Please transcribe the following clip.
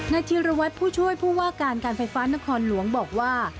ธีรวัตรผู้ช่วยผู้ว่าการการไฟฟ้านครหลวงบอกว่า